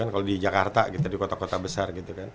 kalo di jakarta di kota kota besar